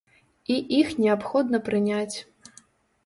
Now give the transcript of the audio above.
І іх неабходна прыняць.